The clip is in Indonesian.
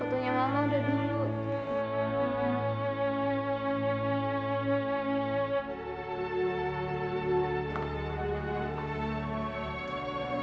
fotonya mama udah dulu